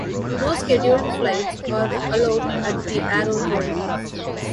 No scheduled flights are allowed at the aerodrome.